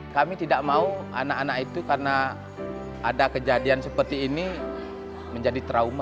kami tidak mau anak anak itu karena ada kejadian seperti ini menjadi trauma